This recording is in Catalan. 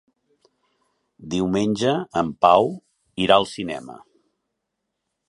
Diumenge en Pau irà al cinema.